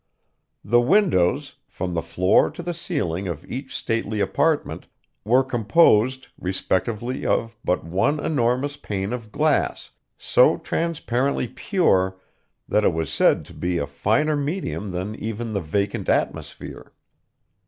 The windows, from the floor to the ceiling of each stately apartment, were composed, respectively of but one enormous pane of glass, so transparently pure that it was said to be a finer medium than even the vacant atmosphere.